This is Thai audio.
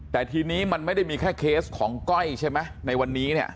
แต่ทีนี้มันไม่ได้มีแค่เคสของก้อยใช่ไหมในวันนี้เนี่ย